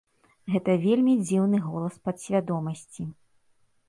Гэта вельмі дзіўны голас падсвядомасці.